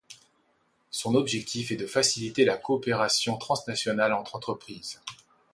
Son objectif est de faciliter la coopération transnationale entre entreprises.